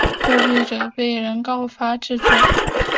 作弊者被人告发治罪。